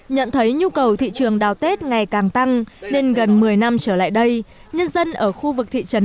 nhận thấy nhu cầu thị trường đào tết ngày càng tăng nên gần một mươi năm trở lại đây nhân dân ở khu vực thị trấn